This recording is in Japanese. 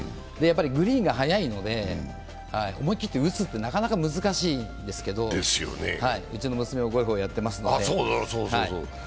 グリーンが速いので思い切って打つってなかなか難しいですけど、うちの娘もゴルフをやっていますので。